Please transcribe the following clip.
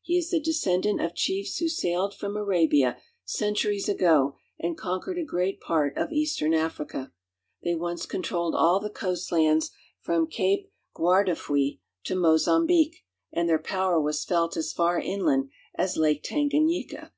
He is the descendant of ^chiefs who sailed from Arabia, centuries ago, and con ' quered a great part of eastern Africa. They once controlled all the coast lands from Cape Guardafui to Mozambique (ino zam bek'), and their power was felt as far inland as 'l^ke Tanganyika.